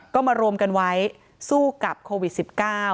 ก็มารวมกันไว้สู้กับโควิด๑๙